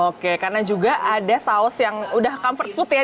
oke karena juga ada saus yang udah comfort food ya